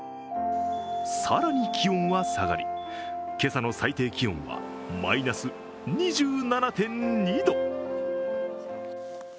更に気温は下がり、今朝の最低気温はマイナス２７．２度。